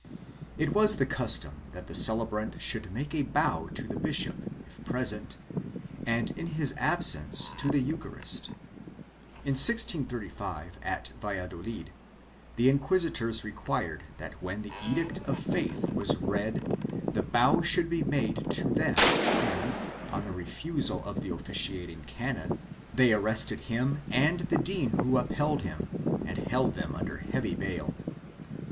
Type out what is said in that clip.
It was the custom that the celebrant should make a bow to the bishop, if present, and in his absence, to the Eucharist. In 1635, at Valladolid, the inquisitors required that when the Edict of Faith was read the bow should be made to them and, on the refusal of the officiating canon, they arrested him and the dean who upheld him and held them under heavy bail.